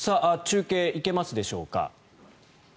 中継、行けますでしょうか。